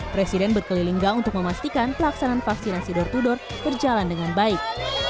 presiden berkelilingga untuk memastikan pelaksanaan vaksinasi dor dor berjalan dengan baik